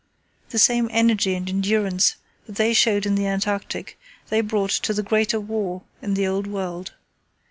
The same energy and endurance that they showed in the Antarctic they brought to the greater war in the Old World.